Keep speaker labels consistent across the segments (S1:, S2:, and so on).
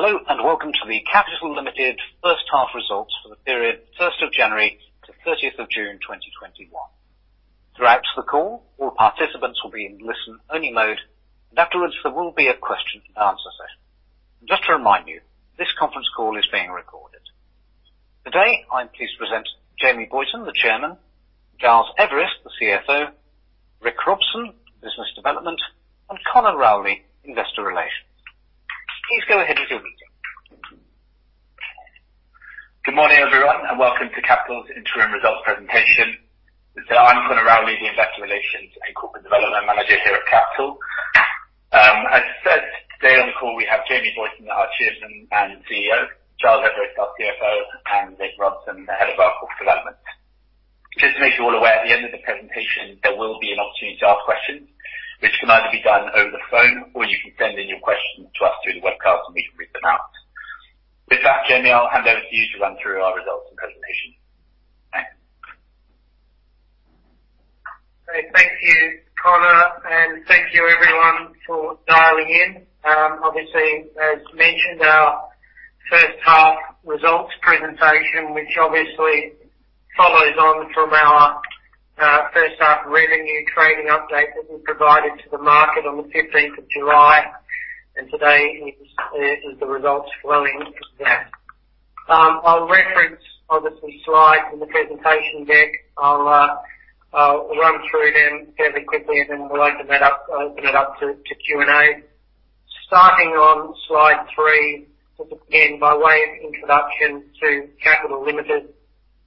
S1: Hello, and welcome to the Capital Limited First Half Results for the period 1st of January to 30th of June 2021. Throughout the call, all participants will be in listen-only mode, and afterwards, there will be a question-and-answer session. Just to remind you, this conference call is being recorded. Today, I'm pleased to present Jamie Boyton, the Chairman, Giles Everist, the CFO, Rick Robson, Business Development, and Conor Rowley, Investor Relations. Please go ahead with your meeting.
S2: Good morning, everyone, and welcome to Capital's Interim Results Presentation. As I said, I'm Conor Rowley, the Investor Relations and Corporate Development Manager here at Capital. As said, today on the call, we have Jamie Boyton, our Chairman and CEO, Giles Everist, our CFO, and Rick Robson, the Head of our Corporate Development. Just to make you all aware, at the end of the presentation, there will be an opportunity to ask questions, which can either be done over the phone or you can send in your questions to us through the webcast and we can read them out. With that, Jamie, I'll hand over to you to run through our results and presentation.
S3: Thank you, Conor, and thank you, everyone, for dialing in. Obviously, as mentioned, our first half results presentation, which obviously follows on from our first half revenue trading update that we provided to the market on the 15th of July. Today is the results flowing from that. I'll reference obviously slides in the presentation deck. I'll run through them fairly quickly. We'll open it up to Q&A. Starting on slide three, just again, by way of introduction to Capital Limited,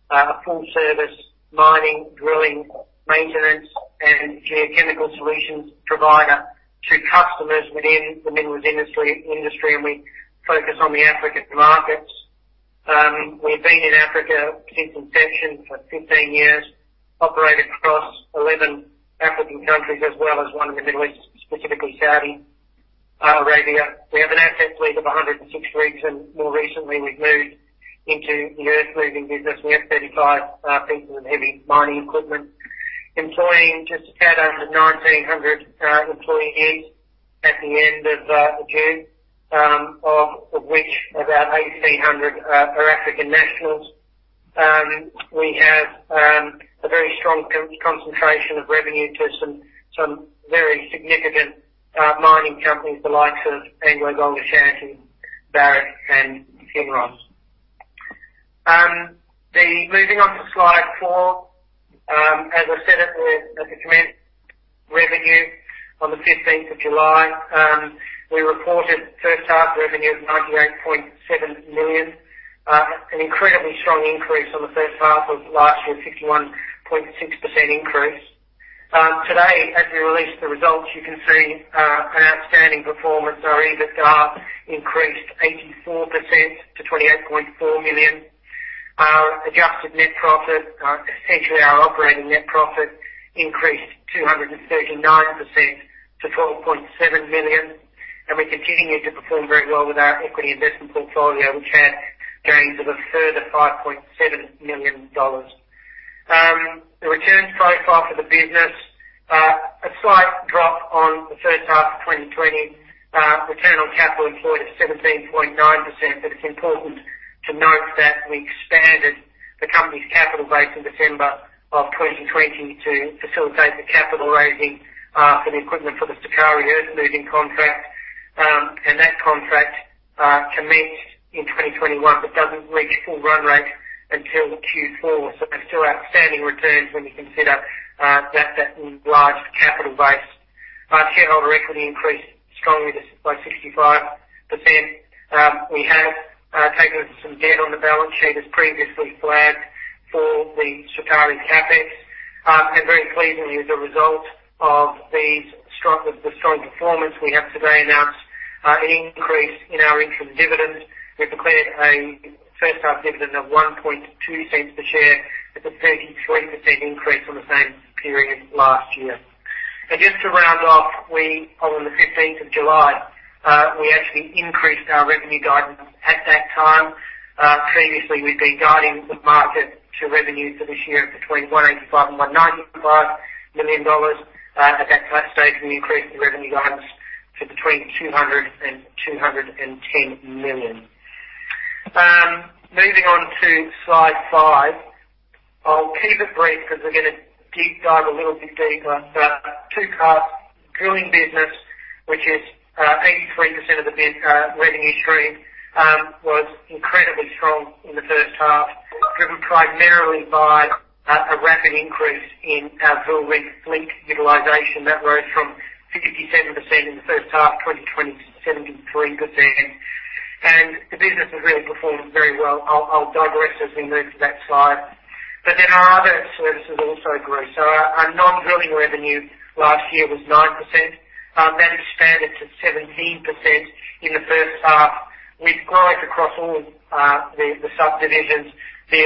S3: a full-service mining, drilling, maintenance, and geochemical solutions provider to customers within the minerals industry. We focus on the African markets. We've been in Africa since inception for 15 years, operate across 11 African countries as well as one in the Middle East, specifically Saudi Arabia. We have an asset fleet of 106 rigs. More recently we've moved into the earthmoving business. We have 35 pieces of heavy mining equipment. Employing just about 1,900 employee years at the end of June, of which about 1,800 are African nationals. We have a very strong concentration of revenue to some very significant mining companies, the likes of AngloGold Ashanti, Barrick, and Kinross. Moving on to slide four. As I said at the commencement, revenue on the 15th of July, we reported first half revenue of $98.7 million. An incredibly strong increase on the first half of last year, 51.6% increase. Today, as we release the results, you can see an outstanding performance. Our EBITDA increased 84% to $28.4 million. Our adjusted net profit, essentially our operating net profit, increased 239% to $12.7 million. We're continuing to perform very well with our equity investment portfolio, which has gained a further $5.7 million. The return profile for the business, a slight drop on the H1 of 2020. The return on capital employed is 17.9%, but it's important to note that we expanded the company's capital base in December of 2020 to facilitate the capital raising for the equipment for the Sukari earthmoving contract. That contract commenced in 2021, but doesn't reach full run rate until Q4. They're still outstanding returns when you consider that enlarged capital base. Our shareholder equity increased strongly by 65%. We have taken some debt on the balance sheet as previously flagged for the Sukari CapEx. Very pleasingly, as a result of the strong performance, we have today announced an increase in our interim dividend. We've declared a H1 dividend of $0.012 per share. That's a 33% increase from the same period last year. Just to round off, on the 15th of July, we actually increased our revenue guidance at that time. Previously, we'd been guiding the market to revenue for this year between $185 million and $195 million. At that stage, we increased the revenue guidance to between $200 million and $210 million. Moving on to slide five. I'll keep it brief because we're going to deep dive a little bit deeper. Our two-part drilling business, which is 83% of the revenue stream, was incredibly strong in the first half, driven primarily by a rapid increase in our drill rig fleet utilization. That rose from 57% in the first half 2020 to 73%. The business has really performed very well. I'll dive less as we move to that slide. Our other services also grew. Our non-drilling revenue last year was 9%. That expanded to 17% in the first half. We've grown it across all the subdivisions. The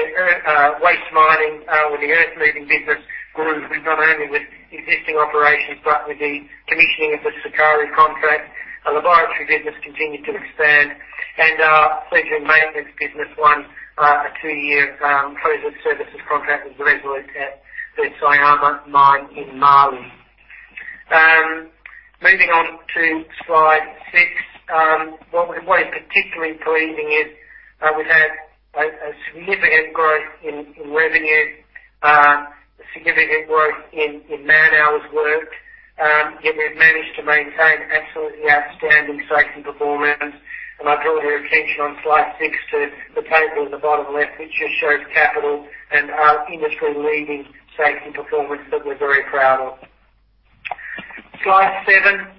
S3: waste mining or the earthmoving business grew not only with existing operations but with the commissioning of the Sukari contract. Our laboratory business continued to expand, and our scheduling maintenance business won a two-year closure services contract with the Resolute at their Syama mine in Mali. Moving on to slide six. What is particularly pleasing is we've had a significant growth in revenue, a significant growth in man-hours worked, yet we've managed to maintain absolutely outstanding safety performance. I draw your attention on slide 6 to the table at the bottom left, which just shows Capital and our industry-leading safety performance that we're very proud of. Slide seven.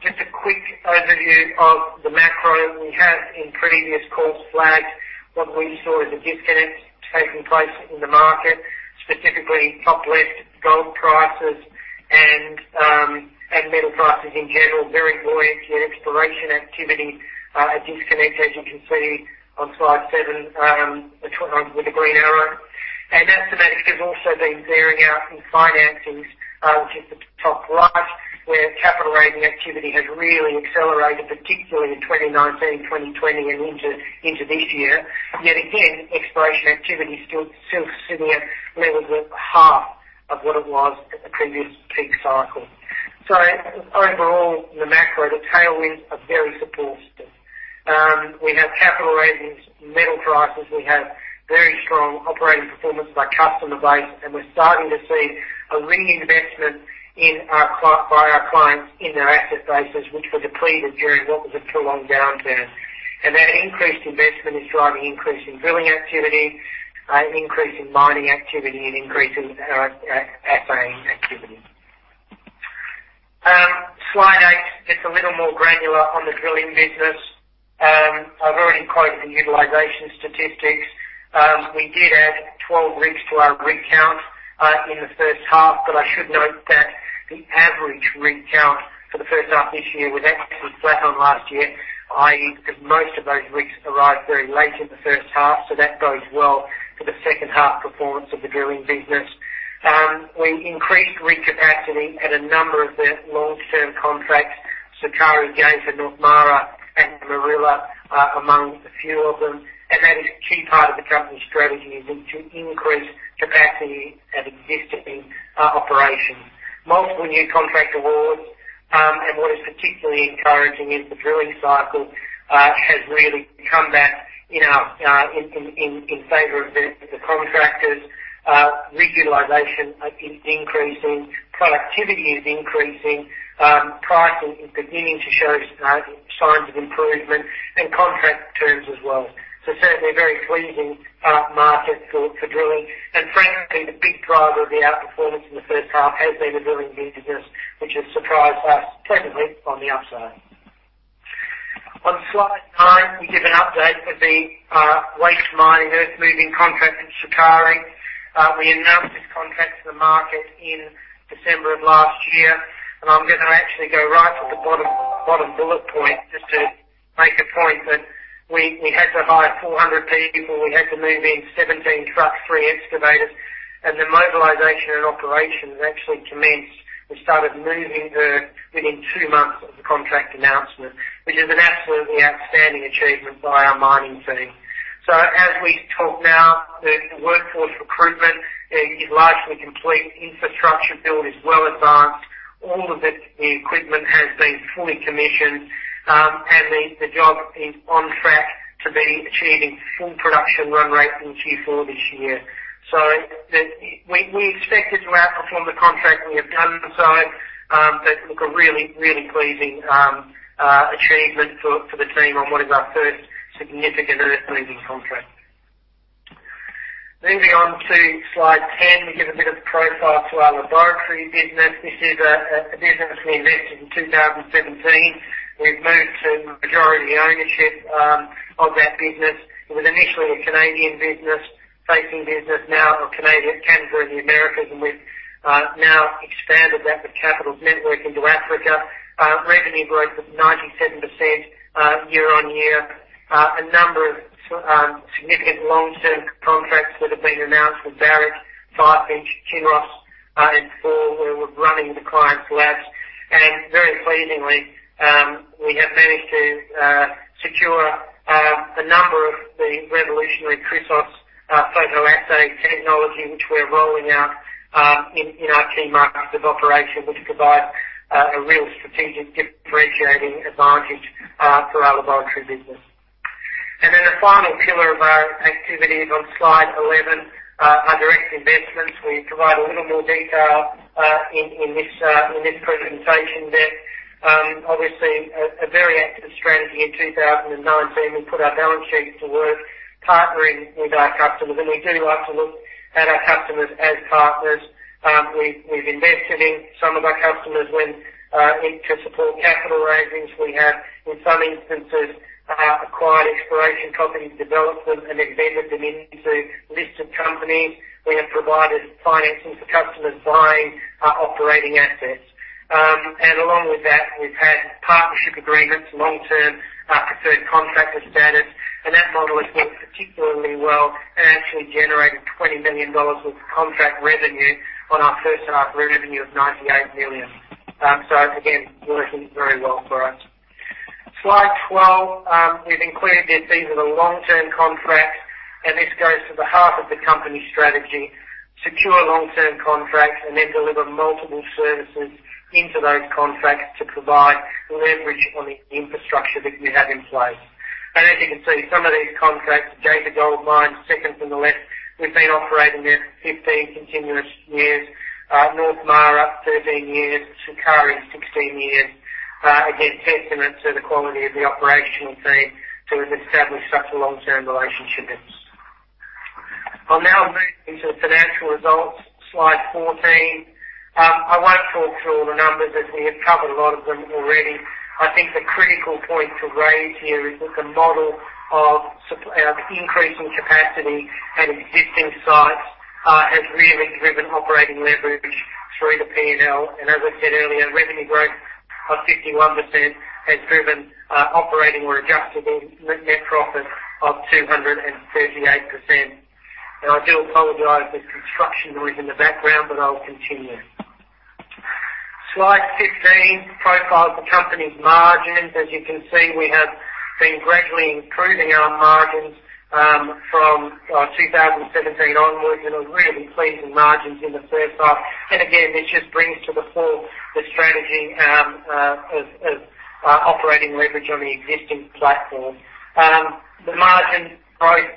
S3: Just a quick overview of the macro. We have in previous calls flagged what we saw as a disconnect taking place in the market, specifically top left gold prices and metal prices in general, very buoyant in exploration activity. A disconnect, as you can see on slide seven, with a green arrow. That thematic has also been bearing out in financings, which is the top right, where capital raising activity has really accelerated, particularly in 2019, 2020 and into this year. Yet again, exploration activity is still sitting at levels of half of what it was at the previous peak cycle. Overall, the macro, the tailwinds are very supportive. We have capital raisings, metal prices, we have very strong operating performance by customer base, and we're starting to see a re-investment by our clients in their asset bases, which were depleted during what was a prolonged downturn. That increased investment is driving increase in drilling activity, an increase in mining activity, and increase in assaying activity. Slide eight. Gets a little more granular on the drilling business. I've already quoted the utilization statistics. We did add 12 rigs to our rig count in the first half. I should note that the average rig count for the first half this year was actually flat on last year, i.e., most of those rigs arrived very late in the first half. That bodes well for the second-half performance of the drilling business. We increased rig capacity at a number of the long-term contracts, Sukari, Geita, North Mara, and Morila, among a few of them. That is a key part of the company strategy is to increase capacity at existing operations. Multiple new contract awards. What is particularly encouraging is the drilling cycle has really come back in favor of the contractors. Rig utilization is increasing, productivity is increasing, pricing is beginning to show signs of improvement, and contract terms as well. Certainly, a very pleasing market for drilling. Frankly, the big driver of the outperformance in the first half has been the drilling business, which has surprised us pleasantly on the upside. On slide nine, we give an update of the waste mining, earthmoving contract in Sukari. We announced this contract to the market in December of last year, and I'm going to actually go right to the bottom bullet point just to make a point that we had to hire 400 people. We had to move in 17 trucks, three excavators, and the mobilization and operation was actually commenced. We started moving earth within two months of the contract announcement, which is an absolutely outstanding achievement by our mining team. As we talk now, the workforce recruitment is largely complete. Infrastructure build is well advanced. All of the equipment has been fully commissioned, and the job is on track to be achieving full production run rate in Q4 this year. We expected to outperform the contract, and we have done so. Look, a really pleasing achievement for the team on what is our first significant earthmoving contract. Moving on to slide 10. We give a bit of profile to our laboratory business. This is a business we invested in 2017. We've moved to majority ownership of that business. It was initially a Canadian business, Canada and the Americas, and we've now expanded that with Capital's network into Africa. Revenue growth of 97% year-on-year. A number of significant long-term contracts that have been announced with Barrick, B2Gold, Kinross. In all, we're running the client's labs. Very pleasingly, we have managed to secure a number of the revolutionary Chrysos PhotonAssay technology, which we're rolling out in our key markets of operation, which provide a real strategic differentiating advantage for our laboratory business. The final pillar of our activities on slide 11, our direct investments. We provide a little more detail in this presentation deck. Obviously, a very active strategy in 2019. We put our balance sheet to work partnering with our customers. We do like to look at our customers as partners. We've invested in some of our customers to support capital raisings. We have, in some instances, acquired exploration companies, developed them, and embedded them into listed companies. We have provided financing for customers buying operating assets. Along with that, we've had partnership agreements, long-term preferred contractor status. That model has worked particularly well and actually generated $20 million worth of contract revenue on our first half revenue of $98 million. Again, working very well for us. Slide 12. We've included these are the long-term contracts, this goes to the heart of the company strategy: secure long-term contracts then deliver multiple services into those contracts to provide leverage on the infrastructure that we have in place. As you can see, some of these contracts, Geita Gold Mine, second from the left, we've been operating there 15 continuous years. North Mara, 13 years. Sukari, 16 years. Again, testament to the quality of the operational team to have established such a long-term relationship with us. I'll now move into the financial results. Slide 14. I won't talk through all the numbers, as we have covered a lot of them already. I think the critical point to raise here is that the model of increasing capacity at existing sites has really driven operating leverage through the P&L. As I said earlier, revenue growth of 51% has driven operating or adjustable net profit of 238%. I do apologize for the construction noise in the background, but I'll continue. Slide 15 profiles the company's margins. As you can see, we have been gradually improving our margins from 2017 onwards, and a really pleasing margins in the first half. Again, this just brings to the fore the strategy of operating leverage on the existing platform. The margin growth,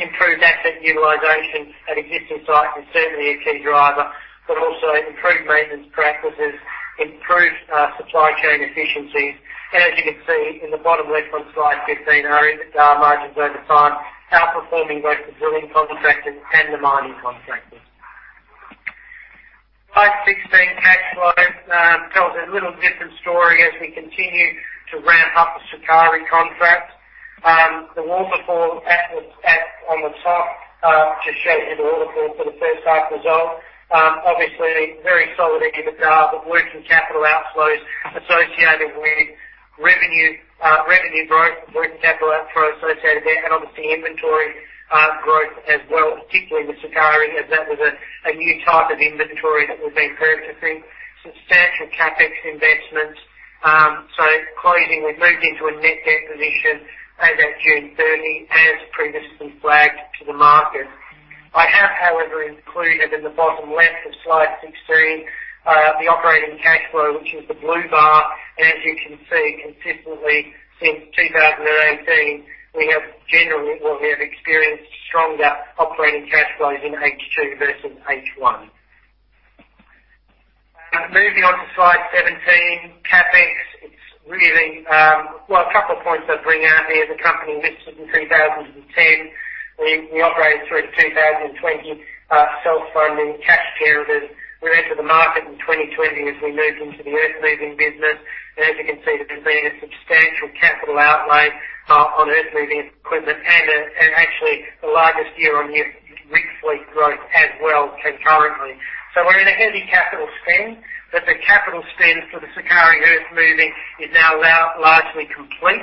S3: improved asset utilization at existing sites is certainly a key driver, but also improved maintenance practices, improved supply chain efficiencies. As you can see in the bottom left on slide 15, our EBITDA margins over time, outperforming both the drilling contractors and the mining contractors. Slide 16, cash flow, tells a little different story as we continue to ramp up the Sukari contract. The waterfall on the top just shows you the waterfall for the first half result. Obviously, very solid EBITDA, but working capital outflows associated with revenue growth, working capital outflow associated there, and obviously inventory growth as well, particularly with Sukari, as that was a new type of inventory that we've been purchasing. Substantial CapEx investments. Closing, we've moved into a net debt position at that June 30, as previously flagged to the market. I have, however, included in the bottom left of slide 16, the operating cash flow, which is the blue bar. As you can see, consistently since 2018, we have experienced stronger operating cash flows in H2 versus H1. Moving on to slide 17, CapEx. A couple of points I'd bring out here. The company listed in 2010. We operated through to 2020, self-funding cash generated. We entered the market in 2020 as we moved into the earthmoving business. As you can see, there's been a substantial capital outlay on earthmoving equipment and actually the largest year-on-year rig fleet growth as well concurrently. We're in a heavy capital spend, but the capital spend for the Sukari earthmoving is now largely complete.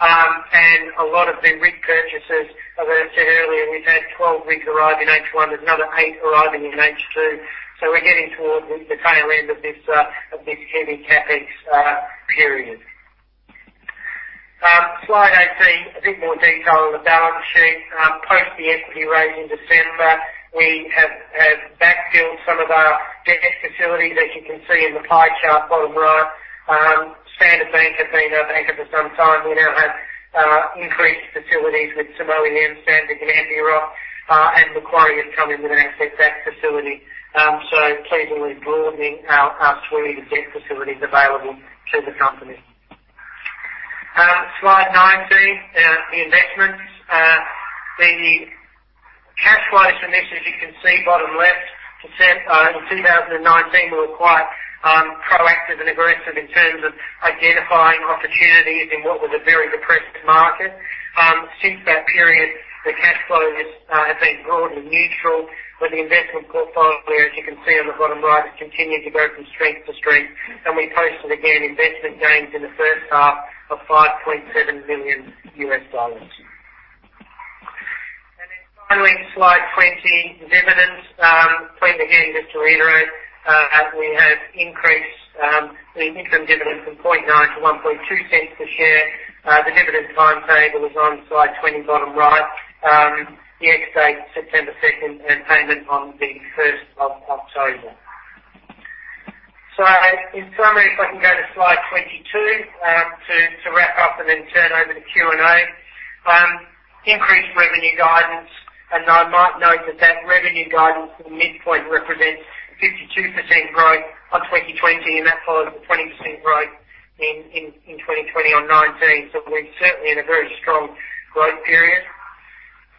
S3: A lot of the rig purchases, as I said earlier, we've had 12 rigs arrive in H1. There's another eight arriving in H2. We're getting towards the tail end of this heavy CapEx period. Slide 18, a bit more detail on the balance sheet. Post the equity raise in December, we have backfilled some of our debt facilities, as you can see in the pie chart, bottom right. Standard Bank have been our banker for some time. We now have increased facilities with Stanbic Bank and Epiroc, and Macquarie has come in with an asset-backed facility. Pleasingly broadening our suite of debt facilities available to the company. Slide 19, the investments. The cash flows in this, as you can see, bottom left, in 2019, we were quite proactive and aggressive in terms of identifying opportunities in what was a very depressed market. Since that period, the cash flows have been broadly neutral. The investment portfolio, as you can see on the bottom right, has continued to go from strength to strength. We posted again investment gains in the first half of $5.7 million. Finally, slide 20, dividends. Point again, just to reiterate, we have increased the interim dividend from $0.009 to $0.012 per share. The dividend timetable is on slide 20, bottom right. The ex-date, September 2nd, and payment on the 1st of October. In summary, if I can go to slide 22, to wrap up and turn over to Q&A. Increased revenue guidance, I might note that that revenue guidance midpoint represents 52% growth on 2020, that follows a 20% growth in 2020 on 2019. We're certainly in a very strong growth period.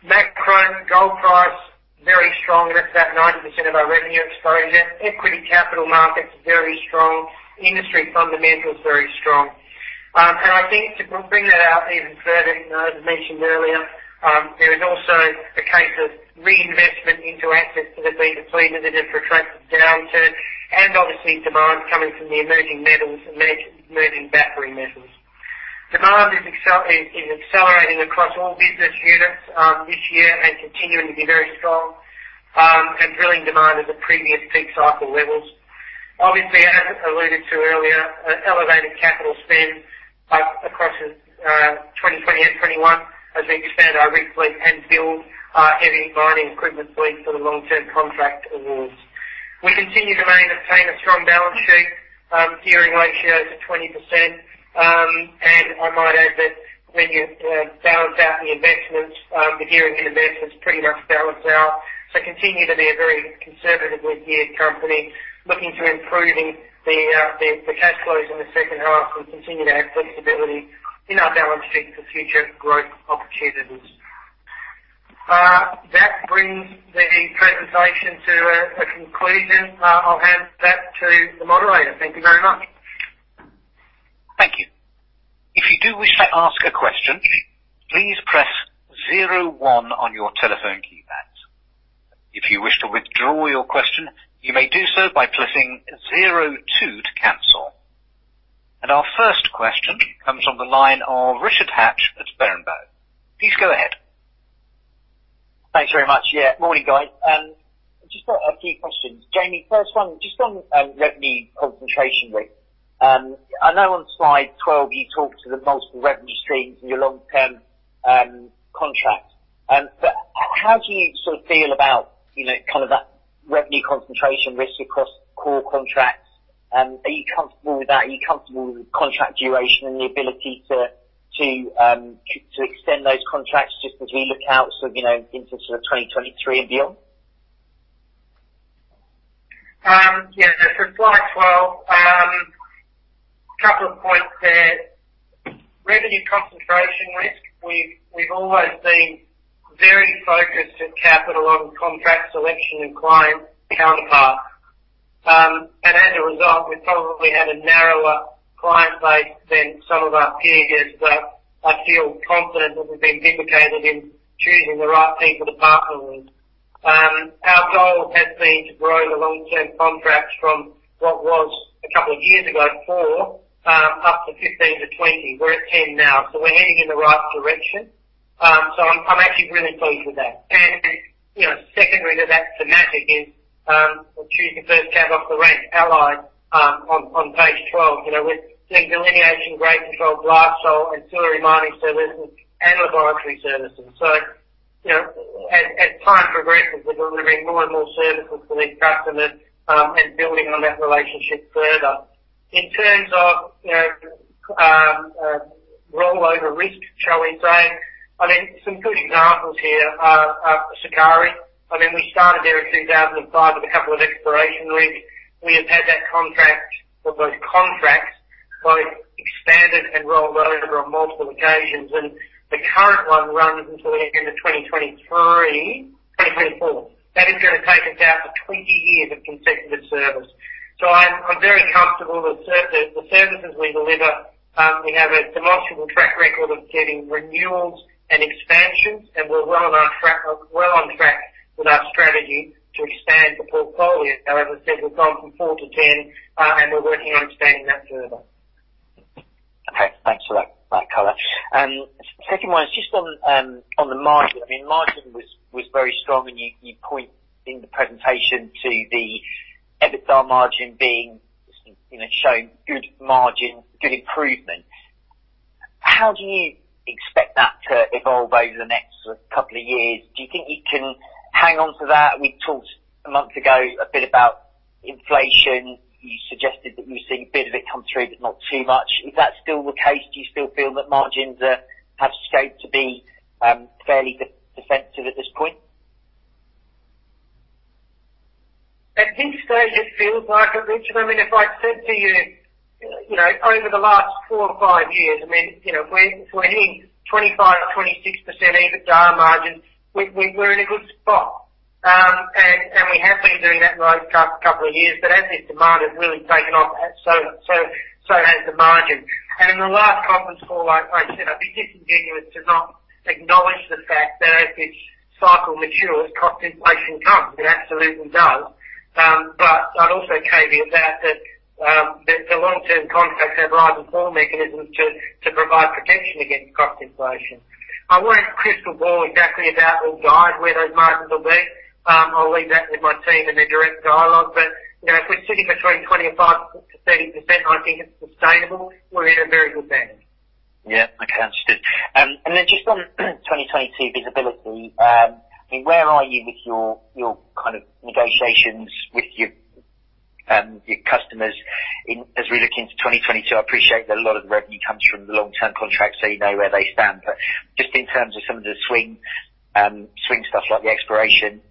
S3: Macro gold price, very strong and it's about 90% of our revenue exposure. Equity capital markets, very strong. Industry fundamentals, very strong. I think to bring that out even further, as I mentioned earlier, there is also a case of reinvestment into assets that have been depleted and for attractive downturn and obviously demand coming from the emerging battery metals. Demand is accelerating across all business units this year and continuing to be very strong. Drilling demand is at previous peak cycle levels. Obviously, as alluded to earlier, elevated capital spend across 2020 and 2021, as we expand our rig fleet and build our heavy mining equipment fleet for the long-term contract awards. We continue to maintain a strong balance sheet, gearing ratio is at 20%. I might add that when you balance out the investments, the gearing and investments pretty much balance out. Continue to be a very conservatively geared company, looking to improving the cash flows in the second half and continue to have flexibility in our balance sheet for future growth opportunities. That brings the presentation to a conclusion. I'll hand back to the moderator. Thank you very much.
S1: Thank you. If you do wish to ask a question, please press zero, one on your telephone keypad. If you wish to withdraw your question, you may do so by pressing zero, two to cancel. Our first question comes on the line of Richard Hatch at Berenberg. Please go ahead.
S4: Thanks very much. Morning, guys. Just got a few questions. Jamie, first one just on revenue concentration risk. I know on slide 12, you talked to the multiple revenue streams in your long-term contract. How do you feel about that revenue concentration risk across core contracts? Are you comfortable with that? Are you comfortable with the contract duration and the ability to extend those contracts just as we look out into 2023 and beyond?
S3: Slide 12, a couple of points there. Revenue concentration risk, we've always been very focused at Capital on contract selection and client counterparts. As a result, we probably have a narrower client base than some of our peers, but I feel confident that we've been vindicated in choosing the right people to partner with. Our goal has been to grow the long-term contracts from what was a couple of years ago, four up to 15-20. We're at 10 now, we're heading in the right direction. I'm actually really pleased with that. Secondary to that thematic is, choose the first cab off the rank, Allied on page 12. With doing delineation, grade control, blast hole, ancillary mining services, and laboratory services. As time progresses, we're delivering more and more services to these customers, and building on that relationship further. In terms of rollover risk, shall we say, some good examples here are Sukari. We started there in 2005 with a couple of exploration rigs. We have had that contract or those contracts both expanded and rolled over on multiple occasions. The current one runs until the end of 2023, 2024. That is gonna take us out to 20 years of consecutive service. I'm very comfortable that the services we deliver, we have a demonstrable track record of getting renewals and expansions, and we're well on track with our strategy to expand the portfolio. As I said, we've gone from 4 to 10, and we're working on expanding that further.
S4: Okay, thanks for that color. Second one is just on the margin. Margin was very strong and you point in the presentation to the EBITDA margin showing good margin, good improvement. How do you expect that to evolve over the next couple of years? Do you think you can hang on to that? We talked a month ago a bit about inflation. You suggested that we've seen a bit of it come through, but not too much. Is that still the case? Do you still feel that margins are perhaps shaped to be fairly defensive at this point?
S3: At this stage, it feels like it, Richard. If I'd said to you, over the last four or five years, if we're hitting 25% or 26% EBITDA margins, we're in a good spot. We have been doing that the last couple of years. As this demand has really taken off, so has the margin. In the last conference call, like I said, I'd be disingenuous to not acknowledge the fact that as this cycle matures, cost inflation comes. It absolutely does. I'd also caveat that the long-term contracts have rise and fall mechanisms to provide protection against cost inflation. I won't crystal ball exactly about or guide where those margins will be. I'll leave that with my team and their direct dialogue. If we're sitting between 25%-30%, and I think it's sustainable, we're in a very good band.
S4: Yeah, I understood. Just on 2022 visibility, where are you with your negotiations with your customers as we look into 2022? I appreciate that a lot of the revenue comes from the long-term contracts, so you know where they stand. Just in terms of some of the swing stuff like the exploration,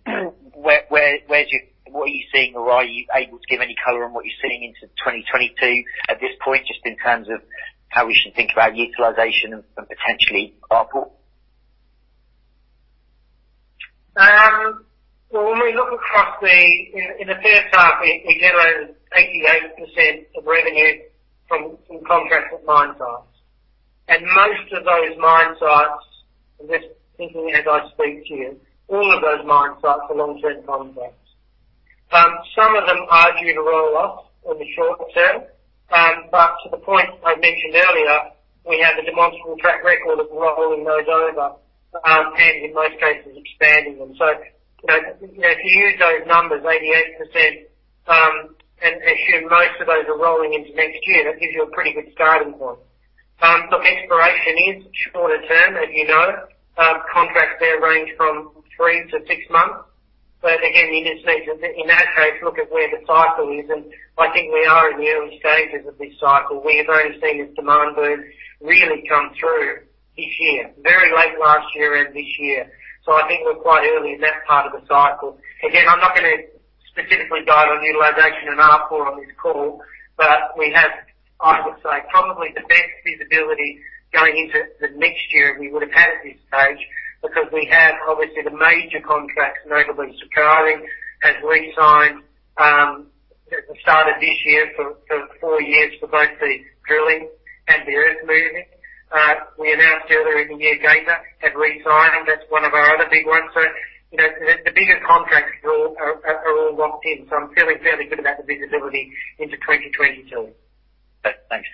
S4: what are you seeing or are you able to give any color on what you're seeing into 2022 at this point, just in terms of how we should think about utilization and potentially?
S3: Well, when we look across the first half, we generated 88% of revenue from contracts with mine sites. Most of those mine sites, I am just thinking as I speak to you, all of those mine sites are long-term contracts. Due to roll off in the short term. To the point I mentioned earlier, we have a demonstrable track record of rolling those over, and in most cases, expanding them. If you use those numbers, 88%, and assume most of those are rolling into next year, that gives you a pretty good starting point. Look, exploration is shorter term, as you know. Contracts there range from three to six months, again, you just need to, in that case, look at where the cycle is. I think we are in the early stages of this cycle. We have only seen this demand boom really come through this year, very late last year and this year. I think we're quite early in that part of the cycle. Again, I'm not going to specifically dive on utilization and R4 on this call, but we have, I would say, probably the best visibility going into the next year we would have had at this stage because we have obviously the major contracts, notably Sukari, has re-signed at the start of this year for four years for both the drilling and the earthmoving. We announced earlier in the year Geita had re-signed, and that's one of our other big ones. The bigger contracts are all locked in. I'm feeling fairly good about the visibility into 2022.
S4: Thanks.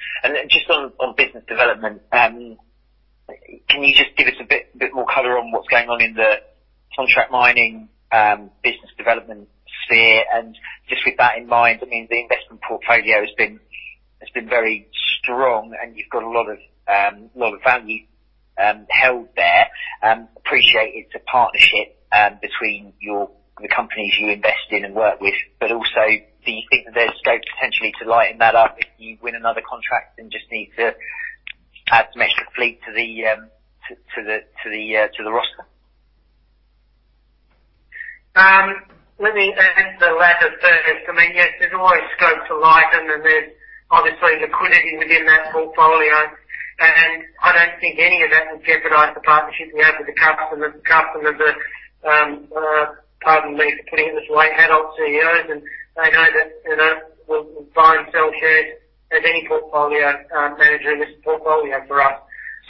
S4: Just on business development, can you just give us a bit more color on what's going on in the contract mining business development sphere? Just with that in mind, the investment portfolio has been very strong, and you've got a lot of value held there. Appreciate it's a partnership between the companies you invest in and work with, but also, do you think that there's scope potentially to lighten that up if you win another contract and just need to add some extra fleet to the roster?
S3: Let me answer the latter first. Yes, there's always scope to lighten, and there's obviously liquidity within that portfolio. I don't think any of that would jeopardize the partnership we have with the customers. The customers are, pardon me for putting it this way, adult CEOs, and they know that we'll buy and sell shares as any portfolio manager in this portfolio for us.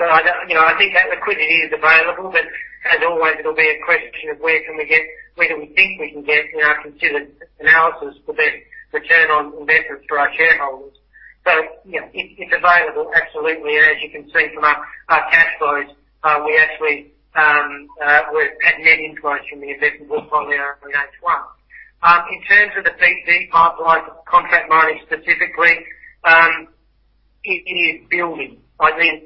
S3: I think that liquidity is available. As always, it'll be a question of where do we think we can get in our considered analysis, the best return on investment for our shareholders. It's available, absolutely. As you can see from our cash flows, we actually had net inflows from the investment portfolio in H1. In terms of the BC pipeline, contract mining specifically, it is building. I think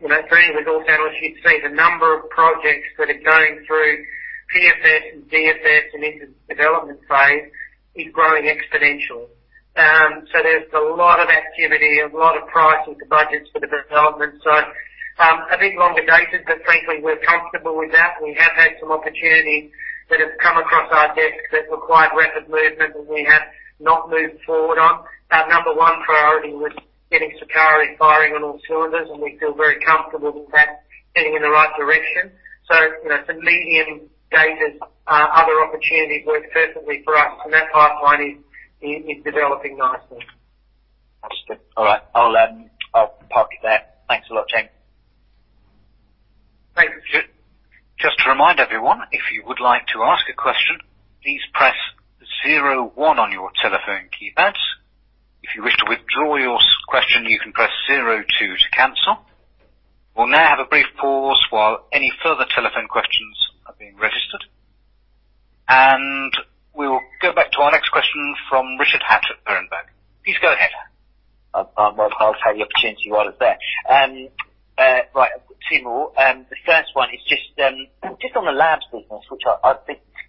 S3: for any resource analyst, you'd see the number of projects that are going through PFS and DFS and into the development phase is growing exponentially. There's a lot of activity and a lot of pricing for budgets for the development. A bit longer dated, but frankly, we're comfortable with that. We have had some opportunities that have come across our desk that required rapid movement that we have not moved forward on. Our number 1 priority was getting Sukari firing on all cylinders, and we feel very comfortable with that heading in the right direction. Some medium-dated other opportunities work perfectly for us, and that pipeline is developing nicely.
S4: That's good. All right. I'll park it there. Thanks a lot, Jamie.
S1: Thank you. Just to remind everyone, if you would like to ask a question, please press zero one on your telephone keypad. If you wish to withdraw your question, you can press zero two to cancel. We'll now have a brief pause while any further telephone questions are being registered. We will go back to our next question from Richard Hatch at Berenberg. Please go ahead.
S4: I might as well take the opportunity while it's there. I've got two more. The first one is just on the labs business, which I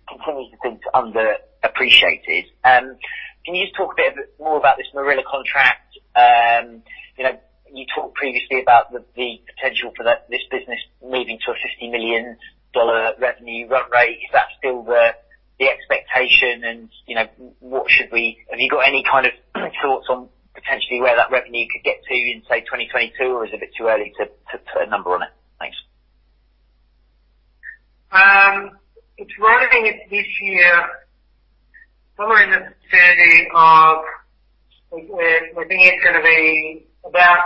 S4: continue to think is underappreciated. Can you just talk a bit more about this Morila contract? You talked previously about the potential for this business moving to a $50 million revenue run rate. Is that still the expectation? Have you got any kind of thoughts on potentially where that revenue could get to in, say, 2022, or is it a bit too early to put a number on it? Thanks.
S3: It's running this year somewhere in the vicinity of, we think it's going to be about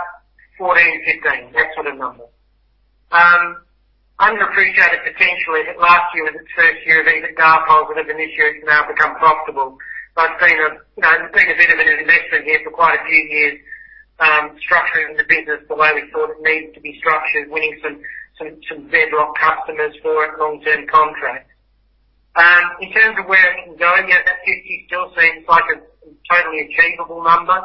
S3: 14, 15, that sort of number. Underappreciated potentially, last year was its first year of even cash flows, and this year it's now become profitable. There's been a bit of an investment here for quite a few years, structuring the business the way we thought it needed to be structured, winning some bedrock customers for it, long-term contracts. In terms of where it can go, yeah, that 50 still seems like a totally achievable number.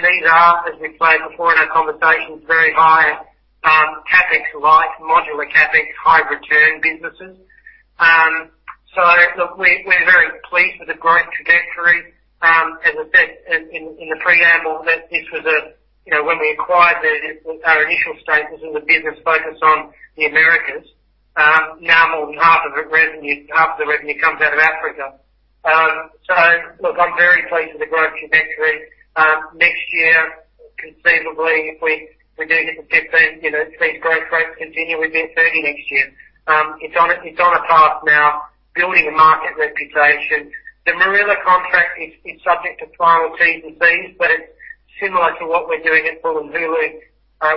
S3: These are, as we've said before in our conversations, very high CapEx life, modular CapEx, high return businesses. Look, we're very pleased with the growth trajectory. As I said in the preamble, when we acquired our initial stages in the business focus on the Americas, now more than half of the revenue comes out of Africa. Look, I'm very pleased with the growth trajectory. Next year, conceivably, if we do hit the 15, if these growth rates continue, we'd be at 30 next year. It's on a path now, building a market reputation. The Morila contract is subject to final T&Cs, but it's similar to what we're doing at Bulyanhulu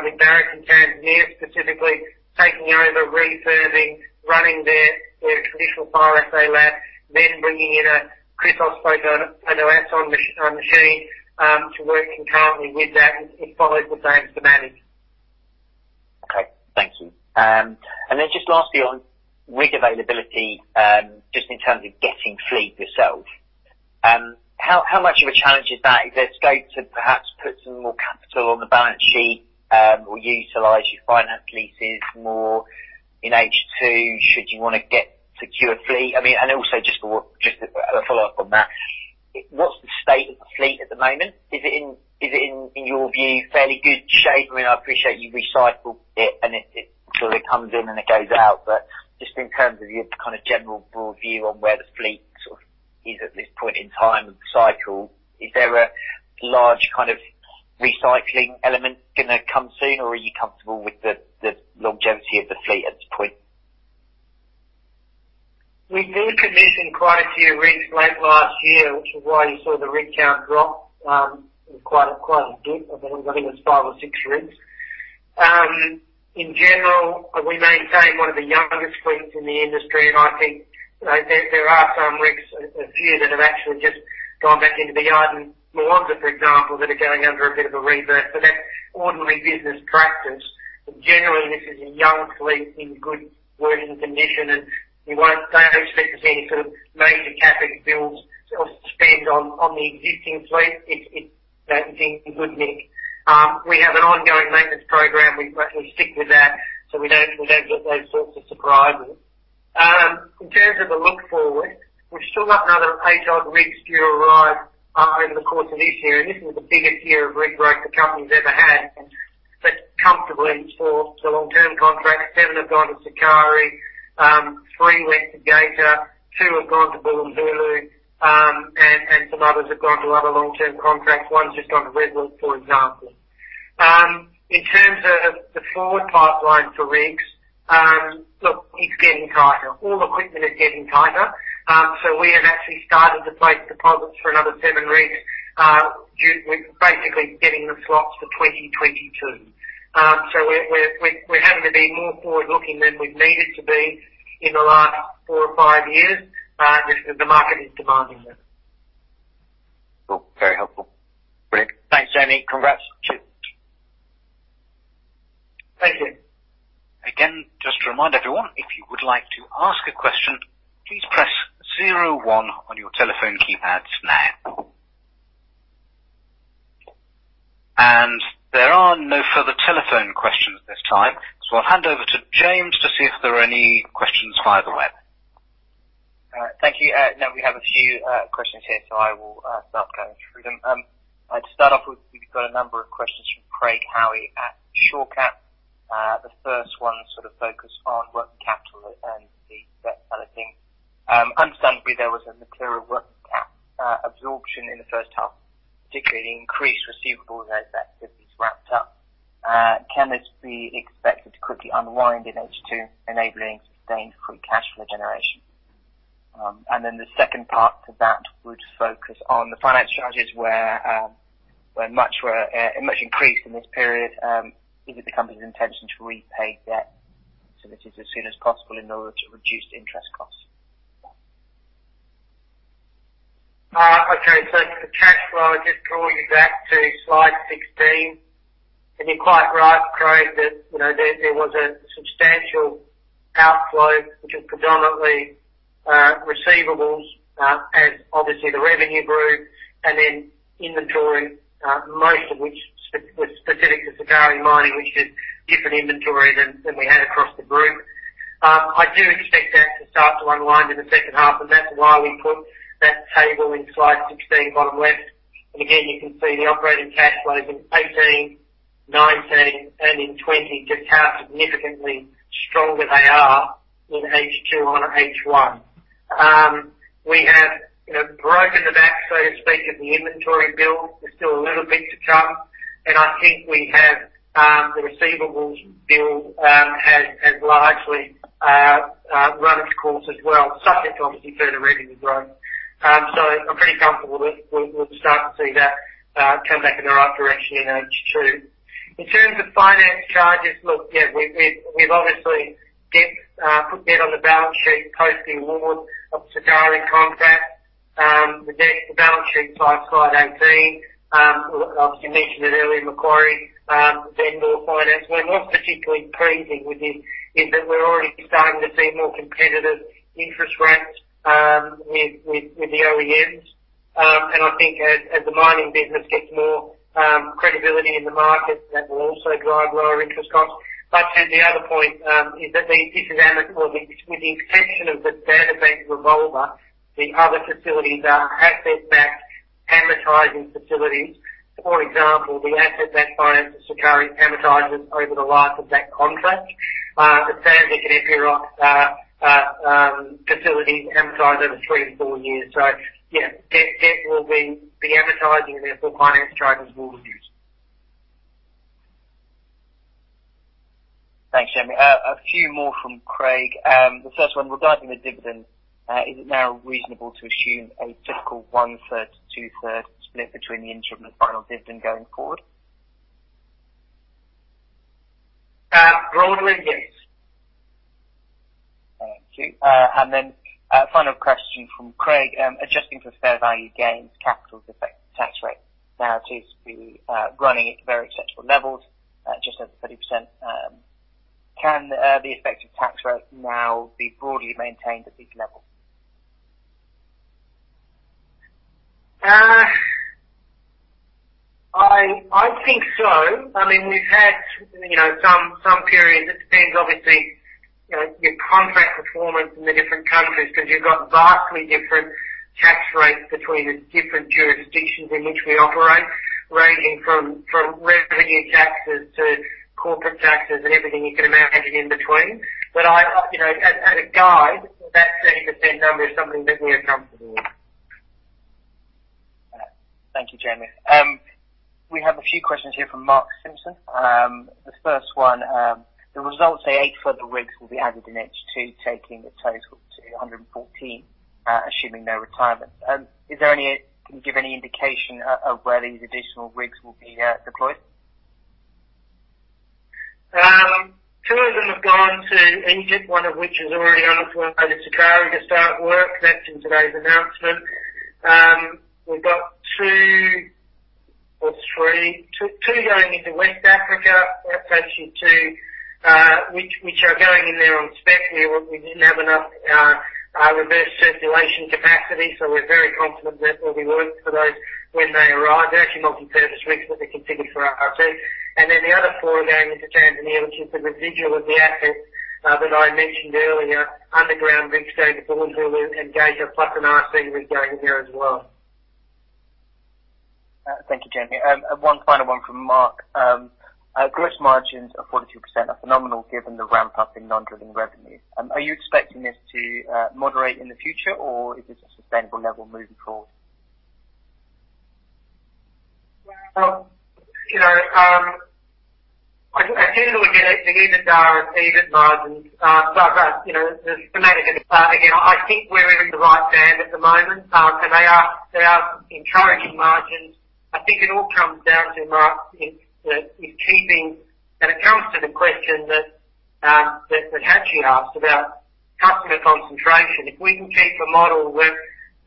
S3: with Barrick and Cadia specifically, taking over, refurbishing their traditional fire assay lab, then bringing in a
S4: Okay, thank you. Just lastly on rig availability, just in terms of getting fleet yourself, how much of a challenge is that? Is there scope to perhaps put some more capital on the balance sheet or utilize your finance leases more in H2? Should you want to get secure fleet? I mean, also just a follow-up on that, what's the state of the fleet at the moment? Is it, in your view, fairly good shape? I mean, I appreciate you recycle it and it comes in and it goes out, just in terms of your kind of general broad view on where the fleet sort of is at this point in time of the cycle, is there a large kind of recycling element going to come soon, or are you comfortable with the longevity of the fleet at this point?
S3: We did commission quite a few rigs late last year, which is why you saw the rig count drop quite a bit. I think it was five or six rigs. In general, we maintain one of the youngest fleets in the industry, and I think there are some rigs, a few that have actually just gone back into the yard, and Miranda, for example, that are going under a bit of a rebirth. That's ordinary business practice. Generally, this is a young fleet in good working condition, and we don't expect to see any sort of major capital bills or spend on the existing fleet if that is in good nick. We have an ongoing maintenance program. We stick with that, we don't get those sorts of surprises. In terms of the look forward, we've still got another eight odd rigs due to arrive in the course of this year, This is the biggest year of rig growth the company's ever had. Comfortably for the long-term contract, seven have gone to Sukari, three went to Geita, two have gone to Bulyanhulu, Some others have gone to other long-term contracts. One's just gone to Redwood, for example. In terms of the forward pipeline for rigs, look, it's getting tighter. All equipment is getting tighter. We have actually started to place deposits for another seven rigs. We're basically getting the slots for 2022. We're having to be more forward-looking than we've needed to be in the last four or five years. The market is demanding that.
S4: Cool. Very helpful. Great. Thanks, Jamie. Congrats. Cheers.
S3: Thank you.
S1: Again, just to remind everyone, if you would like to ask a question, please press zero one on your telephone keypads now. There are no further telephone questions at this time. I'll hand over to James to see if there are any questions via the web.
S5: Thank you. We have a few questions here. I will start going through them. To start off with, we've got a number of questions from Craig Howie at Shore Capital. The first one sort of focused on working cap and the debt kind of thing. Understandably, there was a material working cap absorption in the first half, particularly increased receivables as that activity is wrapped up. Can this be expected to quickly unwind in H2, enabling sustained free cash flow generation? The second part to that would focus on the finance charges, where much increased in this period. Is it the company's intention to repay debt facilities as soon as possible in order to reduce interest costs?
S3: Okay, for cash flow, I'll just draw you back to slide 16. You're quite right, Craig, that there was a substantial outflow, which was predominantly receivables as obviously the revenue grew and then inventory most of which was specific to Sukari Mining, which is different inventory than we had across the group. I do expect that to start to unwind in the second half. That's why we put that table in slide 16, bottom left. Again, you can see the operating cash flows in 2018, 2019, and in 2020, just how significantly stronger they are with H2 on H1. We have broken the back, so to speak, of the inventory build. There's still a little bit to come. I think we have the receivables build has largely run its course as well, subject to, obviously, further revenue growth. I'm pretty comfortable that we'll start to see that come back in the right direction in H2. In terms of finance charges, look, yeah, we've obviously put debt on the balance sheet post the award of Sukari contract. The debt to balance sheet, slide 18. Obviously mentioned it earlier, Macquarie, Bendor Finance. We're not particularly pleased with this, is that we're already starting to see more competitive interest rates with the OEMs. I think as the mining business gets more credibility in the market, that will also drive lower interest costs. To the other point is that with the exception of the Standard Bank revolver, the other facilities are asset-backed, amortizing facilities. For example, the asset-backed finance for Sukari amortizes over the life of that contract. The Sandvik and Epiroc facilities amortize over three to four years. Debt will be amortizing, and therefore finance charges will reduce.
S5: Thanks, Jamie. A few more from Craig. The first one regarding the dividend, is it now reasonable to assume a typical 1/3, 2/3 split between the interim and final dividend going forward?
S3: Broadly, yes.
S5: Thank you. Final question from Craig. Adjusting for fair value gains, Capital's effective tax rate now seems to be running at very acceptable levels, just under 30%. Can the effective tax rate now be broadly maintained at this level?
S3: I think so. We've had some periods. It depends, obviously, your contract performance in the different countries, because you've got vastly different tax rates between the different jurisdictions in which we operate, ranging from revenue taxes to corporate taxes and everything you can imagine in between. As a guide, that 30% number is something that we are comfortable with.
S5: Thank you, Jamie. We have a few questions here from Mark Simpson. The first one, the results say eight further rigs will be added in H2, taking the total to 114, assuming no retirement. Can you give any indication of where these additional rigs will be deployed?
S3: Two of them have gone to Egypt, one of which is already on a float by the Sukari to start work. That's in today's announcement. We've got two or three, two going into West Africa. That takes you to which are going in there on spec. We didn't have enough reverse circulation capacity, so we're very confident there will be work for those when they arrive. They're actually multi-purpose rigs, but they're configured for RC. The other four are going into Tanzania, which is the residual of the assets that I mentioned earlier, underground rigs going to Bulyanhulu and Geita, plus an RC rig going in there as well.
S5: Thank you, Jamie. One final one from Mark. Gross margins of 42% are phenomenal given the ramp-up in non-drilling revenue. Are you expecting this to moderate in the future, or is this a sustainable level moving forward?
S3: I think that we get it. These are even margins. The schematic, again, I think we're in the right band at the moment. They are encouraging margins. I think it all comes down to, Mark Simpson, and it comes to the question that Richard Hatch asked about customer concentration. If we can keep a model where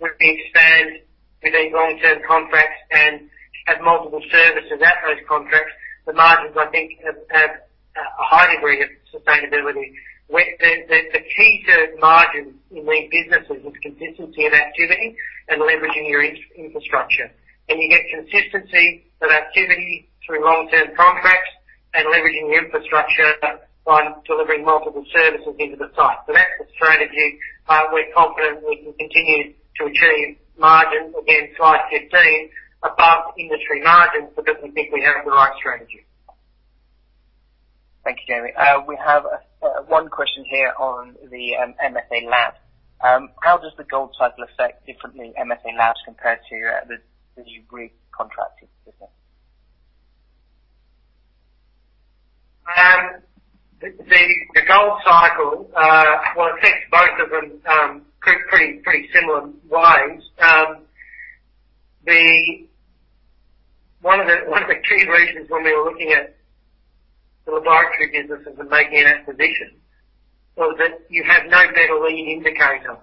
S3: we expand with these long-term contracts and have multiple services at those contracts, the margins, I think, have a high degree of sustainability. The key to margins in these businesses is consistency of activity and leveraging your infrastructure. You get consistency of activity through long-term contracts and leveraging infrastructure by delivering multiple services into the site. That's the strategy. We're confident we can continue to achieve margins, again, slide 15, above industry margins, because we think we have the right strategy.
S5: Thank you, Jamie. We have one question here on the MSALABS. How does the gold cycle affect differently MSALABS compared to the rig contracted business?
S3: The gold cycle, well, it affects both of them pretty similar ways. One of the key reasons when we were looking at the laboratory business and making an acquisition was that you have no better lead indicator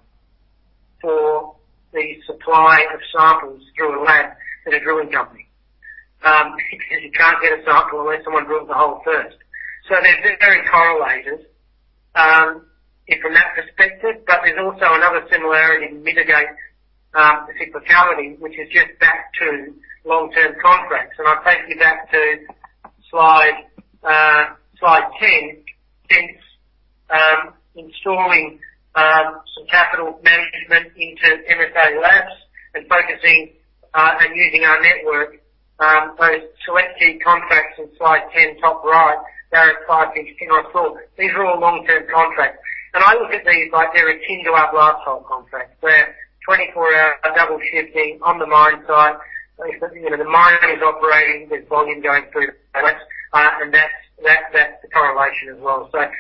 S3: for the supply of samples through a lab than a drilling company, because you can't get a sample unless someone drills the hole first. They're very correlated from that perspective. There's also another similarity that mitigates the cyclicality, which is just back to long-term contracts. I take you back to slide 10. Since installing some capital management into MSALABS and focusing and using our network, those select key contracts in slide 10, top right, Barrick, 5H, Kinross Gold. These are all long-term contracts. I look at these like they're akin to our blast hole contracts. They're 24-hour double shifting on the mine site. If the mine is operating, there's volume going through the labs, and that's the correlation as well. Look,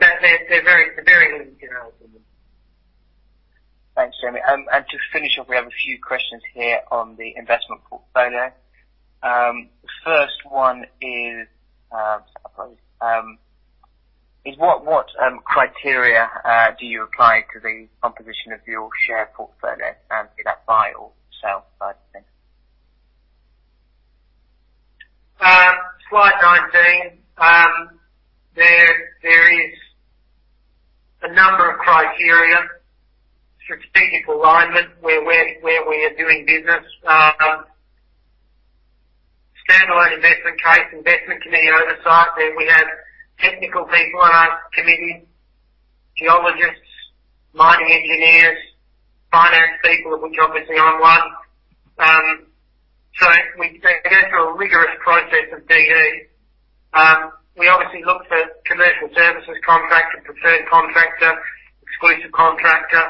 S3: they're very linked in our opinion.
S5: Thanks, Jamie. To finish off, we have a few questions here on the investment portfolio. First one is, what criteria do you apply to the composition of your share portfolio? Be that buy or sell, I'd say.
S3: Slide 19. There is a number of criteria. Strategic alignment where we are doing business. Standalone investment case, investment committee oversight. We have technical people on our committee, geologists, mining engineers, finance people, of which obviously I'm one. We go through a rigorous process of due diligence. We obviously look for commercial services contract, a preferred contractor, exclusive contractor.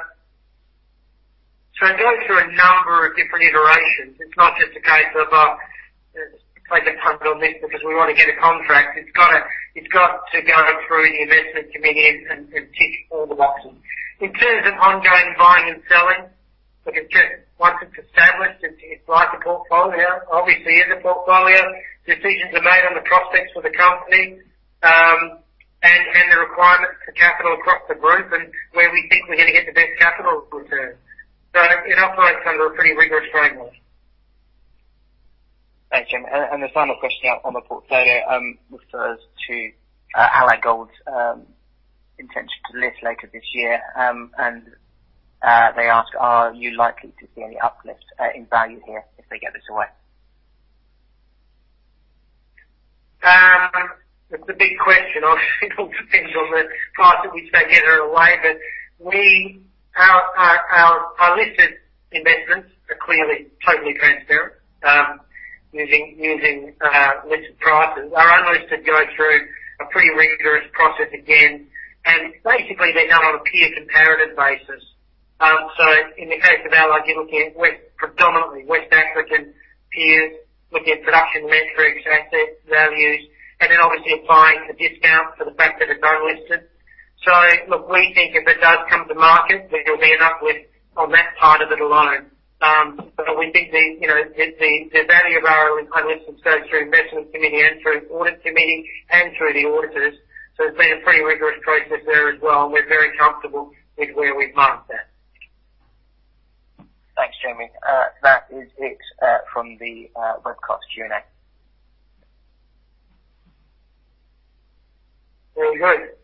S3: It goes through a number of different iterations. It's not just a case of, "Let's take a punt on this because we want to get a contract." It's got to go through the investment committees and tick all the boxes. In terms of ongoing. The portfolio obviously is a portfolio. Decisions are made on the prospects for the company, and the requirements for capital across the group and where we think we're going to get the best capital returns. It operates under a pretty rigorous framework.
S5: Thanks, Jamie. The final question on the portfolio refers to Allied Gold's intention to list later this year. They ask, are you likely to see any uplift in value here if they get this away?
S3: That's a big question. It all depends on the price that we say get it away, but our unlisted investments are clearly totally transparent, using listed prices. Our unlisted go through a pretty rigorous process again, and basically they're done on a peer comparative basis. In the case of Allied, you're looking at predominantly West African peers with their production metrics, asset values, and then obviously applying the discount for the fact that it's unlisted. Look, we think if it does come to market, there'll be an uplift on that part of it alone. We think the value of our unlisted goes through investment committee and through audit committee and through the auditors. It's been a pretty rigorous process there as well, and we're very comfortable with where we've marked that.
S5: Thanks, Jamie. That is it from the webcast Q&A.
S3: Very good.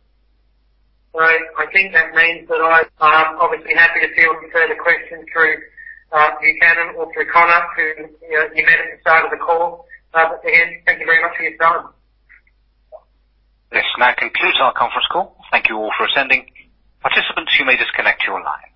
S3: I think that means that I am obviously happy to field further questions through Buchanan or through Conor, who you met at the start of the call. Again, thank you very much for your time.
S1: This now concludes our conference call. Thank you all for attending. Participants, you may disconnect your lines.